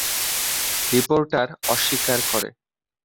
Reporter অস্বীকার করে।